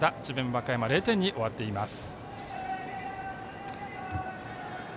和歌山０点に終わっています。